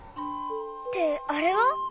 ってあれは？